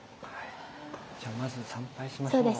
じゃあまず参拝しましょう。